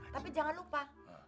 tapi jangan lupa